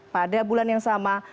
pada bulan yang sama